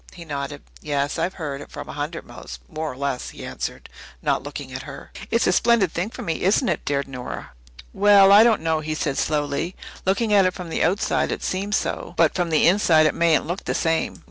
He nodded. "Yes, I've heard it from a hundred mouths, more or less," he answered, not looking at her. "It's a splendid thing for me, isn't it?" dared Nora. "Well, I don't know," he said slowly. "Looking at it from the outside, it seems so. But from the inside it mayn't look the same.